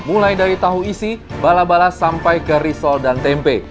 mulai dari tahu isi bala bala sampai ke risol dan tempe